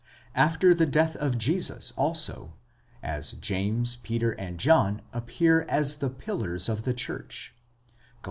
7. After the death of Jesus, also, a Jamés, _ Peter and John appear as the 2: αγς of the church (Gal.